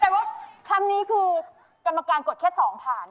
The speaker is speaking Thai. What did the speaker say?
แต่ว่าคำนี้คือกรรมการกดแค่สองผ่าน